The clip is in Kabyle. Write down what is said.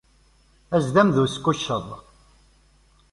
Azdam d usqucceḍ.